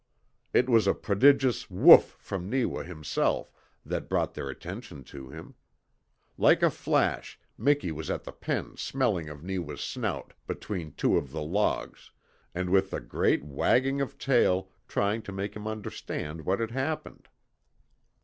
It was a prodigious WHOOF from Neewa himself that brought their attention to him. Like a flash Miki was back at the pen smelling of Neewa's snout between two of the logs, and with a great wagging of tail trying to make him understand what had happened.